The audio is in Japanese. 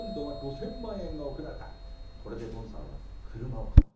これでボンサーは車を買った。